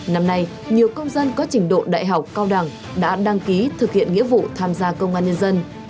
năm nay nhiều công dân có trình độ đại học cao đẳng đã đăng ký thực hiện nghĩa vụ tham gia công an nhân dân